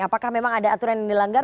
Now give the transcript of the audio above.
apakah memang ada aturan yang dilanggar